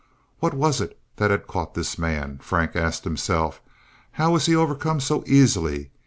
What was it that had caught this man, Frank asked himself. How was he overcome so easily?